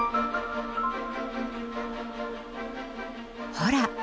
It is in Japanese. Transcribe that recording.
ほら！